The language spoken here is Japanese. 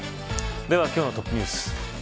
では、今日のトップニュース。